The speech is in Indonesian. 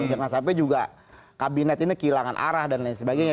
jangan sampai juga kabinet ini kehilangan arah dan lain sebagainya